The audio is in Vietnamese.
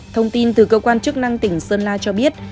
thông tin từ cơ quan chức năng tỉnh sơn la cho biết